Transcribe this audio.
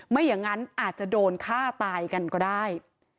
ไม่อย่างนั้นอาจจะโดนฆ่าตายกันก็ได้